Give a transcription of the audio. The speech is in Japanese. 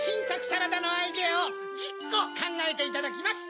サラダのアイデアを１０こかんがえていただきます。